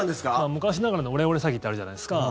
昔ながらのオレオレ詐欺ってあるじゃないですか。